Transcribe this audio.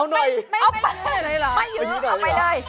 เอาไป